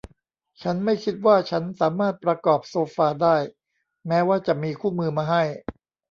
ฉันไม่คิดว่าฉันสามารถประกอบโซฟาได้ แม้ว่าจะมีคู่มือมาให้